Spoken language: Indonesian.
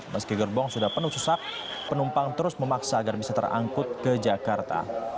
meski gerbong sudah penuh sesak penumpang terus memaksa agar bisa terangkut ke jakarta